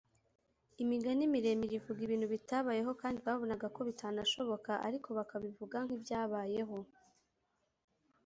Imigani miremire ivuga ibintu bitabayeho kandi babonaga ko bitanashobokaariko bakabivuga nk’ibyabayeho